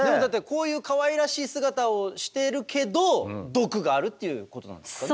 こういうかわいらしい姿をしてるけど毒があるっていうことなんですかね。